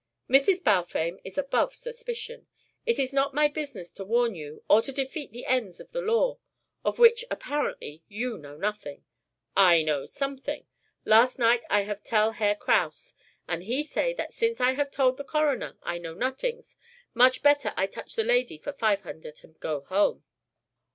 "Mrs. Balfame is above suspicion. It is not my business to warn you, or to defeat the ends of the law, of which apparently you know nothing " "I know someting. Last night I have tell Herr Kraus; and he say that since I have told the coroner I know notings, much better I touch the lady for five hundert and go home."